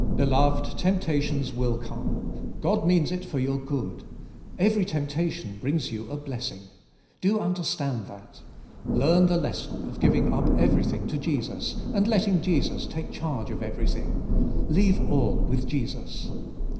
Beloved, temp tations will come; God means it for your good. 112 THE COMPLETE SURRENDER Every temptation brings you a blessing. Do un derstand that. Learn the lesson of giving up everything to Jesus, and letting Jesus take charge of everything. Leave all with Jesus.